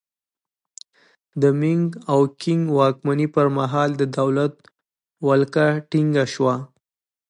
د مینګ او کینګ واکمنۍ پرمهال د دولت ولکه ټینګه شوه.